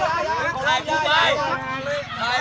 พ่อหนูเป็นใคร